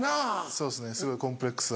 そうですねすごいコンプレックス。